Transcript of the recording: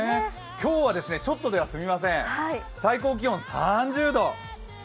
今日はちょっとでは済みません、最高気温３０度。